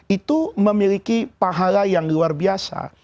itu memiliki pahala yang luar biasa